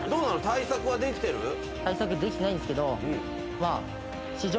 対策できてないんですけどまあ。